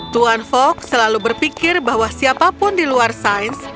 tuan fok selalu berpikir bahwa siapapun di luar sains